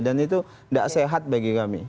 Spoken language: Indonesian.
dan itu tidak sehat bagi kami